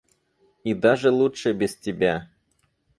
И даже лучше без тебя.